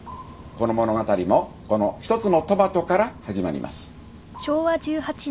この物語もこの一つのトマトから始まります。